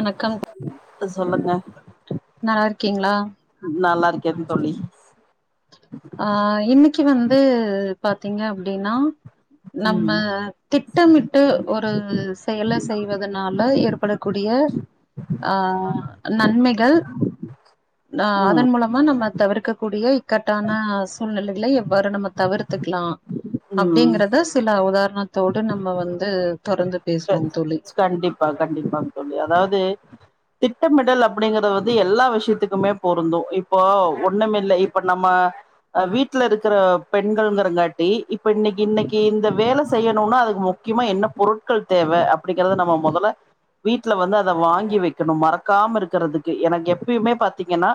வணக்கம் சொல்லுங்க நல்லா இருக்கீங்களா நல்லா இருக்கேன் தோழி ஆ இன்னைக்கி வந்து பாத்தீங்க அப்டின்னா நம்ம ம் திட்டமிட்டு ஒரு செயல செய்வதனால ஏற்படக்கூடிய ஆ நன்மைகள் நா அதன் மூலமா நம்ம தவிர்க்க கூடிய இக்கட் டான சூழ்நிலைகளை எவ்வாறு நம்ம தவிர்த்துக்கலா ம் அப்டிங்கிறத சில உதாரணத்தோடு நம்ம வந்து தொடர்ந்து பேசுவோம் தோழி கண்டிப்பா கண்டிப்பா தோழி அதாவது திட்டமிடல் அப்டிங்கிறது வந்து எல்லா விஷியத்துக்குமே பொருந்தும் இப்போ ஒண்ணுமே இல்ல இப்ப நம்ம ஆ வீட்ல இருக்கற பெண்கள்ங்கிறங்காட்டி இப்போ இன்னைக்கி இன்னைக்கி இந்த வேல செய்யனுன்னா அதுக்கு முக்கியமா என்ன பொருட்கள் தேவ அப்டிங்கிறதுல நம்ம மொதல வீட்ல வந்து அத வாங்கி வைக்கனும் மறக்காம இருக்கறதுக்கு எனக்கு எப்பயுமே பாத்தீங்கன்னா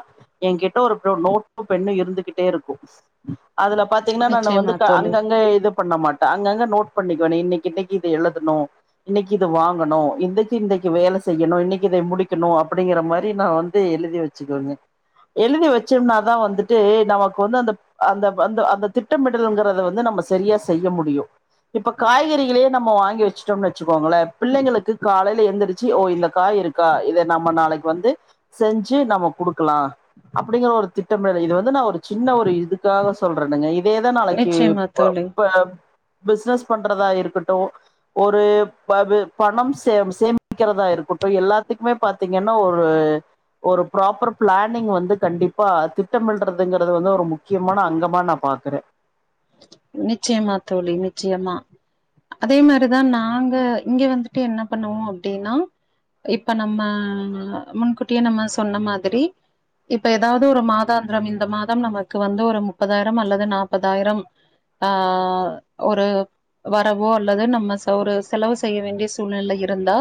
ஏன்கிட்ட ஒரு நோட்டும் பென்னும் இருந்துகிட்டே இருக்கும் அதுல பாத் தீங்கன்னா நானு வந்து நிச்சயமா க தோழி அங்கங்க இது பண்ண மாட்டன் அங்கங்க நோட் பண்ணிக்குவன் இன்னைக் இன்னைக்கி இது எழுதனும் இன்னைக்கி இத வாங்கனும் இந்தைக்கி இந்தைக்கி வேல செய்யனும் இன்னைக்கி இத முடிக்கனும் அப்டிங்கிற மாரி நா வந்து எழுதி வச் ச்சிவங்க எழுதி வச்சோம்னாதா வந்துட்டு நமக்கு வந்து அந்த அந்த அந்த அந்த திட்டமிடல்ங்கிறத வந்து நம்ம சரியா செய்ய முடியும் இப்ப காய்கறிகளே நம்ம வாங்கி வச் சிட்டோம் வச்சிகோங்களே பிள்ளைங்களுக்கு காலையில எந்திரிச்சி ஓ இந்த காய் இருக்கா இத நம்ம நாளைக்கு வந்து செஞ்சி நம்ம குடுக்கலா அப்படிங்கற ஒரு திட்டம் இது வந்து நா ஒரு சின்ன ஒரு இதுக்காக சொல்றேனுங்க இதேதா நாளைக்கு நிச்சயமா தோழி ப பிசினஸ் பண்றதா இருக்கட்டு ஒரு ப பணம் சே சேமிக்கிறதா இருக்கட்டும் எல்லாத்துக்குமே பாத்தீங்கன்னா ஒரு ஒரு ப்ராப்பர் பிளானிங் வந்து கண்டிப்பா திட்டமிடறதுங்கிறது வந்து ஒரு முக்கியமான அங்கமா நான் பாக்கற நிச்சயமா தோழி நிச்சயமா அதே மாரிதா நாங்க இங்க வந்துட்டு என்ன பண்ணுவோம் அப்டின்னா இப்ப நம்ம முன்கூட்டியே நம்ம சொன்ன மாதிரி இப்ப எதாவது ஒரு மாதாந்திரம் இந்த மாதம் நமக்கு வந்து ஒரு முப்பதாயிரம் அல்லது நாப்பதாயிரம் ஆ ஒரு வரவோ அல்லது நம்ம ஒரு செலவு செய்ய வேண்டிய சூழ்நெல இருந்தா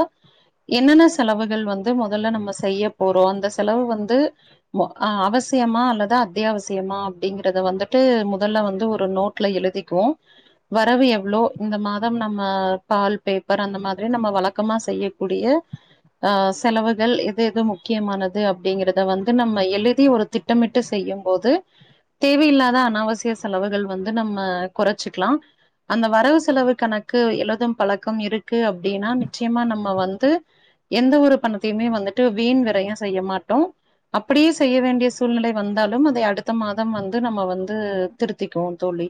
என்னன்ன செலவுகள் வந்து மொதல்ல நம்ம செய்ய போறோம் அந்த செலவு வந்து மோ ஆ அவசியமா அல்லது அத்தியாவசியமா அப்டிங்கிறத வந்துட்டு முதல்ல வந்து ஒரு நோ ட்ல எழுதிக்குவோ வரவு எவ்ளோ இந்த மாதம் நம்ம பால் பேப்பர் அந்த மாதிரி நம்ம வழக்கமா செய்யக்கூடிய ஆ செலவுகள் எது எது முக்கியமானது அப்டிங்கிறத வந்து நம்ம எழுதி ஒரு திட் திட்டமிட்டு செய்யம் போது தேவையில்லாத அனாவசிய செலவுகள் வந் து நம்ம கொறைச்சிக்கிலா அந்த வரவு செலவு கணக்கு எழுதும் பழக்கம் இருக்கு அப்டின்னா நிச்சயமா நம்ம வந்து எந்த ஒரு பணத்தையுமே வந்துட்டு வீண் விரையும் செய்ய மாட்டோம் அப்டியு செய்ய வேண்டிய சூழ்நிலை வந்தாலும் அத அடுத்த மாதம் வந்து நம்ம வந்து திருத்திக்குவோ தோழி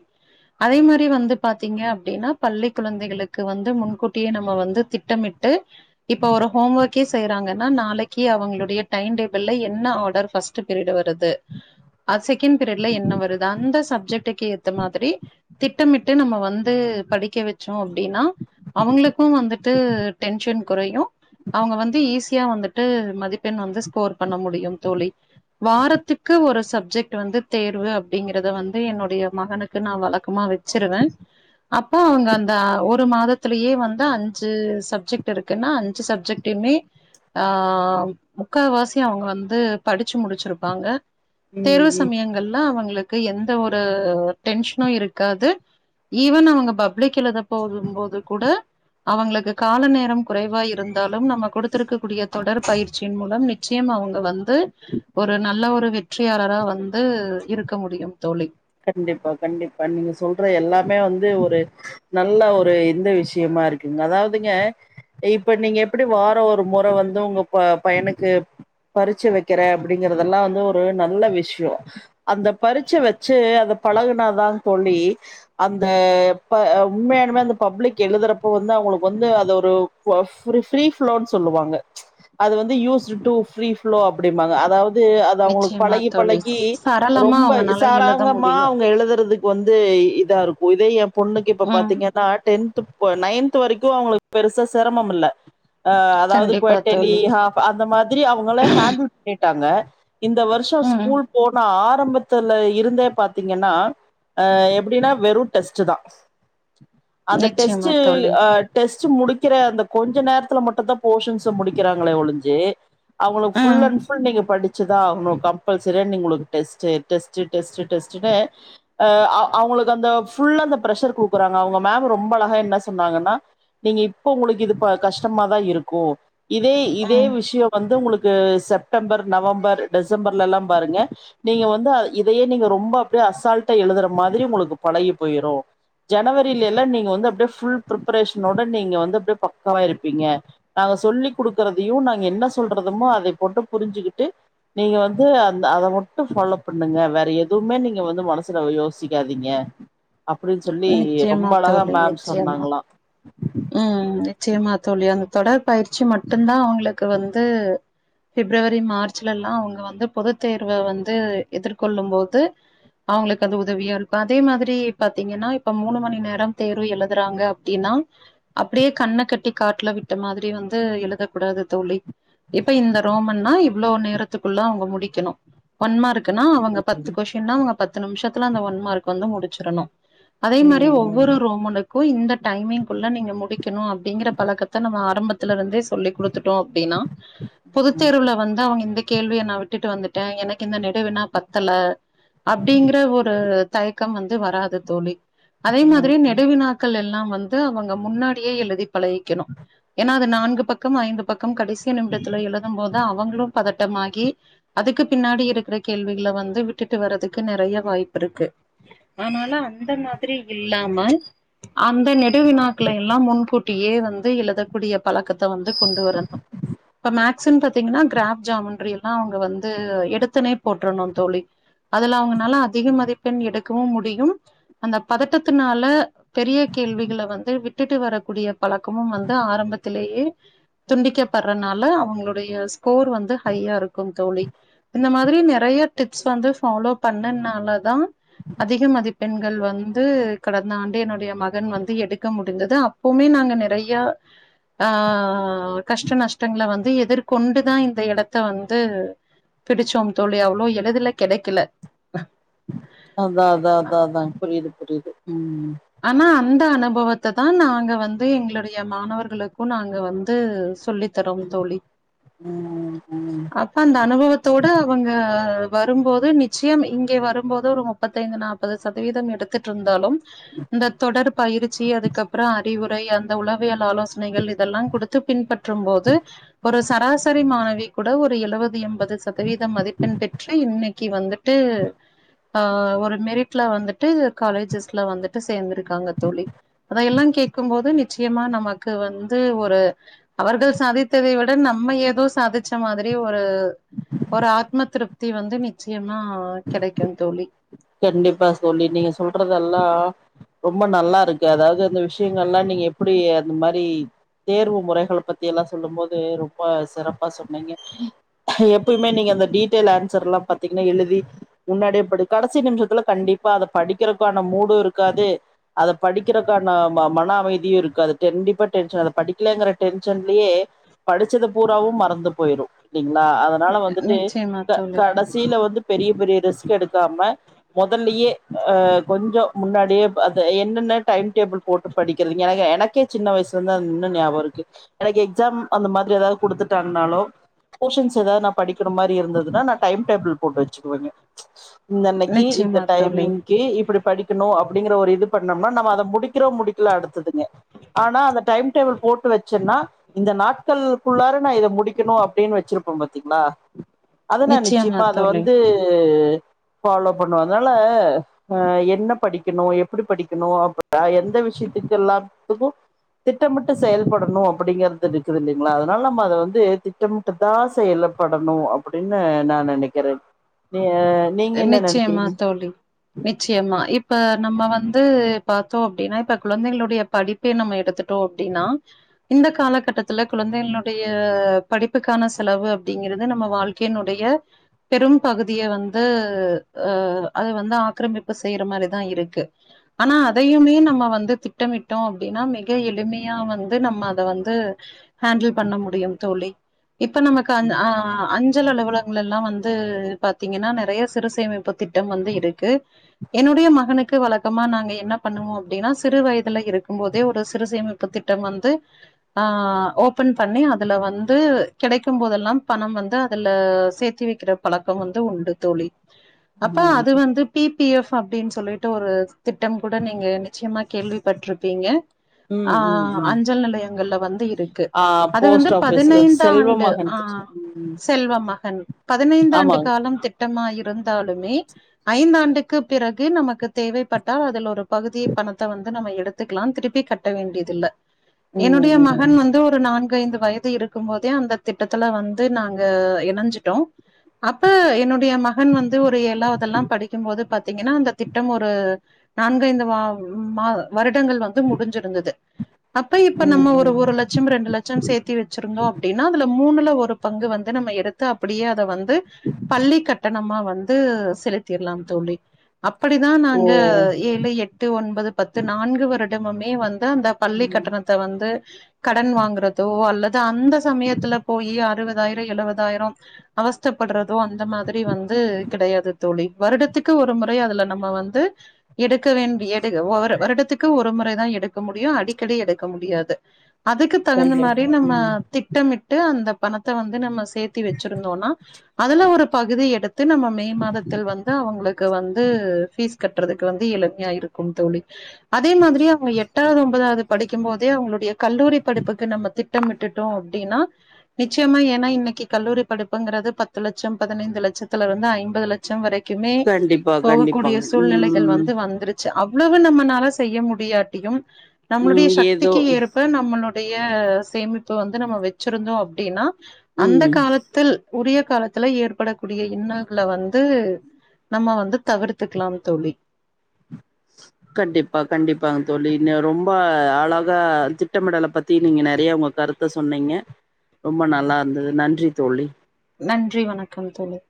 அதே மாரி வந்து பாத்தீங்க அப்டின்னா பள்ளி குழந்தைகளுக் க்கு வந்து முன்கூட்டியே நம்ம வந்து திட்டமிட்டு இப்ப ஒரு ஹோம் ஒர்கே செய்யறாங்கன்னா நாளைக்கு அவங்களுடைய டைம் டேபிள்ல என்ன ஆடர் ஃபஸ் பீரியடு வருது அது செகண்ட் பீரியட்ல என்ன வருது அந்த சப்ஜெக்டுக்கு ஏத்த மாதிரி திட்டமிட்டு நம்ம வந்து படிக்க வெச்சோ அப்படின்னா அவுங்களுக்கு வந்துட்டு டென்ஷன் குறையு அவுங்க வந்து ஈஸியா வந்துட்டு மதிப்பெண் வந்து ஸ்கோர் பண்ண முடியும் தோழி வாரத்துக்கு ஒரு சப்ஜெக்ட் வந்து தேர்வு அப்டிங்கறத வந்து என்னுடைய மகனுக்கு நா வழக்கமா வெச்சிருவே அப்போ அவுங்க அந்த ஒரு மாதத்திலயே வந்து அஞ்சு சப்ஜெக்ட் இருக்குன்னா அஞ்சு சப்ஜெக் ட்டுமே ஆ முக்காவாசி அவுங்க வந்து படிச்சு முடிச்சிருப்பாங்க ம் தேர்வு ம் சமயங்கள்ல அவங்களுக்கு எந்த ஒரு டென்ஷனு இருக்காது ஈவன் அவங்க பப்ளிக் எழுத போகும்போது கூட அவுங்களுக்கு கால நேரம் குறைவா இருந்தாலும் நம்ம கொடுத்திருக்க கூடிய தொடர் பயிற்சி மூலம் நிச்சயம் அவுங்க வந்து ஒரு நல்ல ஒரு வெற்றியாளரா வந்து இருக்க முடியும் தோழி கண்டிப்பா கண்டிப்பா நீங்க சொல்ற எல்லாமே வந்து ஒரு நல்ல ஒரு இந்த விஷயமா இருக்குங்க அதாவதுங்க இப்ப நீங்க எப்டி வார ஒரு முறை வந்து உங்க ப பையனுக்கு பரிச்ச வைக்கிறே அப்படிங்கறதெல்லா வந்து ஒரு நல்ல விஷயோ அந்த பரிச்ச வ ச்சு அதை பழகுனாதான் தோழி அந்த ப உண்மையானுமே அந்த பப்ளிக் எழுதுறப்போ வந்து அவுங்களுக்கு வந்து அத ஒரு ஃப்ரி ஃப்ளோனு சொல்லுவாங்க அது வந்து யூஸ்ட் டூ ஃப்ரி ஃப்ளோ அப்டின்பாங்க அதாவது இது அது அவுங்களுக்கு நிச்சயமா பழகி தோழி பழகி சரளமா ரொம்ப ஸ் அவங்கனால எழுத முடியு எழுதுறதுக்கு வந்து இதா இருக்கு இதே என் பொண்ணுக்கு இப்ப ம் பாத்தீங்கன்னா டென் நைன்த் வரைக்கு அவுங்களுக்கு பெருசா சிரமம் இல்ல அ அதாவது கண்டிப்பா குவாட்டலி தோழி அந்த மாதிரி அவுங்கள ஹேண்டில் பண்ணிட்டாங்க இந்த வருஷோ ம் ஸ்கூல் போன ஆரம்பத்துல இருந்தே பாத்தீங்கன்னா அ எப்டின்னா வெறு டெஸ்ட்டுதா அந்த டெஸ்ட்டு நிச்சயமா தோழி ஆ டெஸ்ட்டு முடிக்கிற அந்த கொஞ்ச நேரத்துல மட்டுந்தா போர்ஷன்ஸ முடிக்கிறாங்களே ஒழிஞ்சு அவுங்களுக்கு ஃபுல் ம் அண்ட் ஃபுல் நீங்க படிச்சுதா ஆகணு கம்பல்சரியா நீங்க உங்ளுக்கு டெஸ்ட்டு டெஸ் ச்சு டெஸ்டு டெஸ்டுனு அ அ அவுங்களுக்கு அந்த ஃபுல்லா அந்த ப்ரெஷர் குடுக்குறாங்க அவுங்க மேம் ரொம்ப அழகா என்ன சொன்னாங்கன்னா நீங்க இப்ப உங்களுக்கு இது கஷ்டமாதா இருக்கு இதே இதே ம் விஷயோ வந்து உங்களுக்கு செப்டம்பர் நவம்பர் டிசம்பர்ல எல்லா பாருங்க நீங்க வந்து இதையே நீங்க ரொம்ப அப்படியே அசால்ட்டா எழுதுற மாதிரி உங்களுக்கு பழகி போயிரு ஜனவரில எல்லா நீங்க வந்து அப்படியே ஃபுல் ப்ரிப்பரேஷனோட நீங்க வந்து அப்டியே பக்காவா இருப்பீங்க நாங்க சொல்லி குடுக்கறதையு நாங்க என்ன சொல்றதமோ அதை போட்டு புரிஞ்சுகிட்டு நீங்க வந்து அந்த அதை மட்டு ஃபாலோ பண் பண்ணுங்க வேற எதுவுமே நீங்க வந்து மனசுல யோசிக்காதீங்க அப்டின்னு சொல்லி ரொம்ப நிச்சயமா அழகா தோழி மேம் நிச்சயமா சொன்னாங்களா ம் நிச்சயமா தோழி அந்த தொடர் பயிற்சி மட்டுந்தா அவுங்களுக்கு வந்து பிப்ரவரி மார்ச்ல எல்லா அவுங்க வந்து பொதுத் தேர்வ வந்து எதிர்கொள்ளும் போது அவுங்களுக்கு அது உதவியா இருக்கும் அதே மாதிரி பாத்தீங்கன்னா இப்ப மூணு மணி நேரம் தேர்வு எழுதுறாங்க அப்டின்னா அப்டியே கண்ண கட்டி காட்ல விட்ட மாதிரி வந்து எழுத கூடாது தோழி இப்ப இந்த ரோமன்னா இவ்ளோ நேரத்துக்குள்ள அவுங்க முடிக்கணு ஒன் மார்க் குன்னா அவங்க பத்து கொஸின்னா அவுங்க பத்து நிம்ஷத்துல அந்த ஒன் மார்க் வந்து முடிச்சிரனு அதே மாரி ம் ஒவ்வொரு ரோமனுக்கு இந்த டைமிங்குள்ள நீங்க முடிக்கனு அ அப்டிங்கிற பழக்கத்த நம்ம ஆரம்பத்துல இருந்தே சொல்லி் குடுத்துட்டோ அப்டினா பொதுத் ம் தேர்வுல வந்து அவுங்க இந்த கேள்விய நா விட்டுட்டு வந்துட்டே எனக்கு இந்த நெடுவினா பத்தல அப்டிங்கிற ஒரு தயக்கம் வந்து வராது தோழி அதே ம் மாதிரி நெடு வினா கள் எல்லா வந்து அவுங்க முன்னாடியே எழுதி பழகிக்கனு ஏனா அது நான்கு பக்கம் ஐந்து பக் கம் கடைசி நிம்டத்துல எழுதும் போது அவங்களு பதட்டமாகி அதுக்கு பின்னாடி இருக்கற கேள்விகள வந்து விட்டுட்டு வறதுக்கு நெறைய வாய்ப்பிருக்கு ஆனால அந்த மாதிரி இல்லாம அந்த நெடு வினாக்களை எல்லா முன் கூட்டியே வந்து எழுதக் கூடிய பழக்கத் த வந்து கொண்டு வரணு இப்ப மேக் சிந்தடிக்னா கிராப் ஜாமென்ட்ரி எல்லா அவுங்க வந்து எடுத்துனே போட்றனு தோழி அதுல அவுங்கனால அதிக மதிப்பெண் எடுக்கவு முடியும் அந்த பதட்டத்துனால பெரிய கேள்விகள வந்து விட்டுட்டு வரக் கூடிய பழக்கமும் வந்து ஆரம்பத்தலயே துண்டிக்க பறனால அவுங்களுடைய ஸ்கோர் வந்து ஹையா இருக்கு தோழி இந்த மாதிரி நெறைய டிப்ஸ் வந்து ஃபாலோ பண்ணனால தா அதிகம் மதி கள் வந்து கடந்த ஆண்டு என்னுடைய மகன் வந்து எடுக்க முடிந்தது அப்பவுமே நாங்க நெறைய ஆ கஷ்ட நஷ்டங்கள வந்து எதிர்கொண்டு தா இந்த எடத்த வந்து பிடிச்சோம் தோழி அவ்ளோ எழுதுல கெடைக்கல அதா அதா அதா அதா புரியுது புரியுது ம் ஆனா அந்த அனுபவத்த தா நாங்க வந்து எங்களுடைய மாணவர்களுக்கு நாங்க வந்து சொல்லி திறம் தோழி ம் ம் அப்ப அந்த அனுபவத்தோட அவங்க வரும் போது நிச்சயம் இங்கே வரும்போது ஒரு முப்பத்தைந்து நாப்பது சதவீதம் எடுத்துட்ருந்தாலு இந்த தொடர் பயிற்சி அதுக்கப்புறோ அறிவுரை அந்த உளவியல் ஆலோஸ் பிரச்சனைகள் இதெல்லா குடுத்து பின்பற்றும் போது ஒரு சராசரி மாணவி கூட ஒரு எழுவத் அது எம்பது சதவீதம் மதிப்பெண் பெற்று இன்னைக் கி வந்துட்டு ஆ ஒரு மெரிட்ல வந்துட்டு காலேஜஸ்ல வந்துட்டு சேந்துருக் காங்க தோழி அத எல்லா கேக்கும் போது நிச்சயமா நமக்கு வந்து ஒரு அவர்கள் சாதித்ததை விட நம்ம ஏதோ சாதிச்ச மாதிரி ஒரு ஒரு ஆத்ம திருப்தி வந்து நிச்சயமா கெடைக்கு தோழி கண்டிப்பா சோழி நீங்க சொல்றதல்லா ரொம்ப நல்லா இருக்கு அதாவது இந்த விஷ்யங்கள்ளா நீங்க எப்டி அந்த மாரி தேர்வு முறைகள பத்தி எல்லா சொல்லு போது ரொம்ப சிறப்பா சொன்னீங்க எப்பயமே நீங்க அந்த டீட்டெயில் ஆன்சர் எல்லா பாத்திங்கனா எழுதி முன்னாடியே படி கடைசி நிமிஷத்துல கண்டிப்பா அத படிக்கிறத்க்கான மூடு இருக்காது அத படிக்கிறக்கான ம மன அமைதியு இருக்கு அது கண்டிப்பா டென்ஷன் அத படிக்கலங்கற டென்ஷன்லயே படிச்சத பூராவு மறந்து போய்ரு இல்லிங்ளா அத அதனால வந்துட்டு நிச்சயமா க தோழி கடசில வந்து பெரிய பெரிய ரிஸ்க் எடுக்காம மொதல்லயே அ கொஞ்சோ முன்னாடியே அது என்னென்ன டைம் டேபிள் போட்டு படிக்கறதுங்க ஏனா எனக்கே சின்ன வயசுல அந் இன்னு நியாபக இருக்கு எனக்கு எக்ஸாம் அந்த மாதிரி ஏதாவது குடுத்துட்டாங்னாலோ போஷன்ஸ் எதாவ்து நா படிக்கிற மாரி இருந்துதுன்னா நா டைம் டேபிள் போட்டு வச்சுக்குவேங்க இந்தன்னைக்கி இந்த நிச்சயமா தோழி டைமிங் க்கி இப்படி படிக்கணு அப்படிங்கிற ஒரு இது பண்ணோம்னா நம்ம அத முடிக்கிறோ முடிக்கல அடுத்ததுங்க ஆனா அந்த டைம் டேபிள் போட்டு வச்சன்னா இந்த நாட்களுக்குள்ளார நா இத முடிக்கணு அப்டின்னு வச்சிருப்பே பாத்தீங்ளா அதனா நிச்சயமா நிச்சயம்மா அத தோழி வந்து ஃபாலோ பண்ணுவ அதனால அ என்ன படிக்கணு எப்டி படிக்கணு அப்பதா எந்த விஷயத்துக்கு எல்லாத்துக்கு திட்டமிட்டு செயல்படணு அப்படிங்கறது இருக்குதில்லைங்ளா அதுனால நம்ம அத வந்து திட்டம் ட்டு தா செயல படணு அப்டின்னு நா நெனக்கிறேன் நீ நீங்க என்ன நிச்சயமா நெனைக்கிறீங்க தோழி நிச்சயமா இப்ப நம்ம வந்து பாத்தோ அப்டின்னா இப்ப குழந்தைகளுடைய படிப் ப்பே நம்ம எடுத்துட்டோ அப்டின்னா இந்த காலகட்டத்துல குழந்தைகளுடைய படிப்புக்கான செலவு அப்டிங்கறது நம்ம வாழ்க் கைனுடைய பெரும் பகுதிய வந்து அ அத வந்து ஆக்கிரமிப்பு செய்ற மாரிதா இருக்கு ஆனா அதயுமே நம்ம வந்து திட்டமிட்டோ அப்டின்னா மிக எளிமையா வந்து நம்ம அத வந்து ஹாண்டில் பண்ண முடியு தோழி இப்ப நமக்கு அந்த அ அஞ்சல் அலுவல வுலலால்லா வந்து பாத்தீங்கன்னா நறைய சிறுசேமிப்பு திட்டம் வந்து இருக்கு என்னுடைய மகனுக்கு வழக்கமா நாங்க என்ன பண்ணுவோ அப்டின்னா சிறு வயதுல இருக்கும் போதே ஒரு சிறுசேமிப் ப்பு திட்டம் வந்து ஆ ஓபன் பண்ணி அதுல வந்து கெடைக்கும் போதெல்லாம் பணம் வந்து அதுல சேத்து வைக் வக்கிற பழக்கம் வந்து உண்டு தோழி அப்ப ம் அது வந்து பி பி எஃப் அப்டின் சொல்லிட்டு ஒரு திட்டம் கூட நீங்க நிச்சயமா கேள்வி பட்ருப்பீங்க ம் ஆ ம் ம் அஞ்சல் நிலையங்கள்ல வந்து இருக்கு ஆ அது வந்து போஸ்ட் ஆஃபிஸ் செல்வ பதினைந்தாண்டு மகன் ஆ ம் செல்வ மகன் பதினைந்தாண்டு ஆமாங்க காலம் திட்டமா இருந்தாலுமே ஐந்தாண்டுக்கு பிறகு நமக்கு தேவைப்பட்டா அதில் ஒரு பகுதி பணத்த வந்து நம்ம எடுத் துக்லா திருப்பி கட்ட வேண்டியதில்ல ம் என்னுடைய ம் மகன் வந்து ஒரு நான்கு ஐந்து வயது து இருக்கும் போதே அந்த திட்டத்துல வந்து நாங்க இணைஞ்சிட்டோ அப்ப என்னோட என்னுடைய மகன் வந்து ஒரு ஏழாவுதெல்லாம் படிக்கும்போது பாத்தீங்கனா அந்த திட்டம் ஒரு நான்கைந்து வா மா வருடங்கள் வந்து முடிஞ்சிருந்தது அப்ப இப்ப ம் நம்ம ஒரு ம் ஒரு லட்ச் லட்சம் ரெண்டு லட்சம் சேத்தி வச்சிருந்தோ அப்டின்னா அதுல மூணுல ஒரு பங்கு வந்து நம்ம எடுத்து அப்டியே அத வந்து ந்து பள்ளி கட்டணமா வந்து செலுத்திர்லாம் தோழி அப்படித்தா ஓ நாங்க ஏழு எட் எட்டு ஒன்பது பத்து நான்கு வருடமுமே வந்து அந்த பள்ளி ம் கட்டணத்த வந்து கடன் வாங்குறதோ அல்லது த்த அந்த சமயத்துல போயி அறுவதாயிரோ எழுவதாயிரோ அவஸ்தப்படுறதோ அந்த மா மாரி வந்து கிடையாது தோழி வருடத்துக்கு ஒரு முறை அதுல நம்ம வந்து எடுக்க வேண்டிய எடு வருடத்துக்கு ஒரு முறைதா எடுக்க முடியு அடிக்கடி எடுக்க முடியாது அதுக்கு தகுந்த மாரி கண்டிப்பா நம்ம ம் திட்டமிட்டு அந்த பணத்த வந்து நம்ம சேத்தி வச்சிருந்தோன்னா அதுல ஒரு பகுதி எடுத் து நம்ம மே மாதத்தில் வந்து அவுங்ளுக்கு வந்து ஃபீஸ் கட்டுறதுக்கு வந்து எளிமையா இருக்கும் தோழி அதே மாதிரி அவுங்க எட்டாவாது ஒம்பதாவ்து படிக்கும் போதே அவுங்ளுடைய கல்லூரி படிப்புக்கு நம்ம திட் திட்டமிட்டுட்டோ அப்டின்னா நிச்சயமா ஏன்னா இன்னக்கி கல்லூரி படிப்புங்றது பத்து லட்சம் பதினைந்து லட்சத்துல இருந்து ஐம்பது லட்சம் வரைக்குமே கண்டிப்பா போகக்கூடிய கண்டிப்பாங்க சூழ்நிலைகள் ம் வந்து வந்துரு ச்சு அவ்வளவு நம்மனால செய்ய முடியாட்டியும் நம்ளுடைய ம் ஏதோ சக்திக்கி ஏற்ப நம்மளோட ளுடைய சேமிப்பு வந்து நம்ம வச்சிருந்தோ அப்டினா அந்த ம் கால த்தில் உரிய காலத்துல ஏற் படக்கூடிய இன்னல்கள வந்து நம்ம வந்து தவிர்த்துக்கலாம் தோழி கண்டிப்பா கண்டிப்பாங்க தோழி இன்ன ரொம்ப அழகா‌ திட்டமிடல பத்தி நீங்க நெறைய உங்க கருத் த சொன்னீங்க ரொம்ப நல்லா இருந்தது நன்றி தோழி நன்றி வணக்கம் தோழி